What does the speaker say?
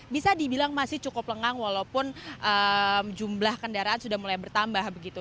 bisa dibilang masih cukup lengang walaupun jumlah kendaraan sudah mulai bertambah begitu